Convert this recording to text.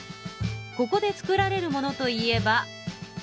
ここで作られるものといえば米。